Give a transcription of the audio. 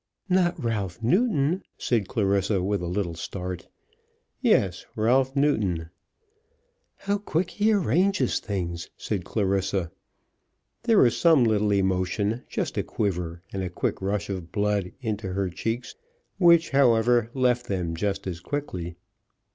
"Not Ralph Newton?" said Clarissa, with a little start. "Yes, Ralph Newton." "How quick he arranges things!" said Clarissa. There was some little emotion, just a quiver, and a quick rush of blood into her cheeks, which, however, left them just as quickly.